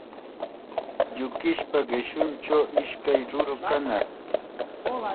Yukispa qishunchaw ishkay ruru kanaq.